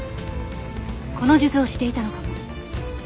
この数珠をしていたのかも。